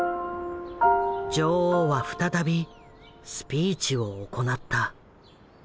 女王は再びスピーチを行った。